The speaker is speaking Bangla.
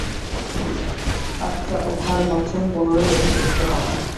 আত্মা উহার মাধ্যমে পুনরায় অভিব্যক্ত হন।